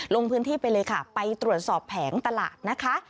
ลงพื้นที่ไปเลยค่ะไปตรวจสอบแผงตลาดนะคะ